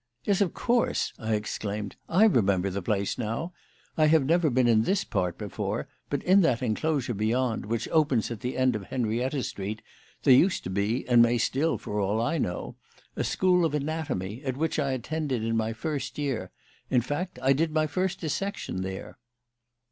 "Yes, of course!" I exclaimed. "I remember the place now. I have never been in this part before, but in that enclosure beyond which opens at the end of Henrietta Street, there used to be and may be still, for all I know, a school of anatomy, at which I attended in my first year; in fact, I did my first dissection there."